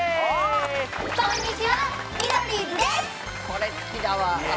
これ好きだわ。